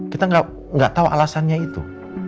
kita nggak tahu alasannya itu